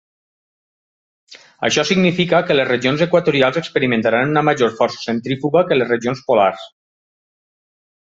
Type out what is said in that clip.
Això significa que les regions equatorials experimentaran una major força centrífuga que les regions polars.